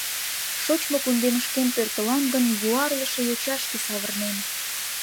Шочмо кундемышкем пӧртылам гын, Юарлыше йочашке савырнем.